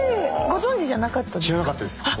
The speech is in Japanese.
ご存じじゃなかったですか？